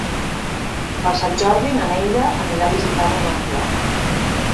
Per Sant Jordi na Neida anirà a visitar mon oncle.